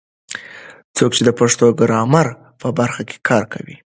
څوک د پښتو ګرامر په برخه کې کار کوي؟